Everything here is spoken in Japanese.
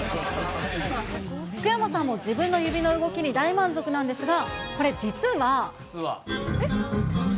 福山さんも自分の指の動きに大満足なんですが、これ実は。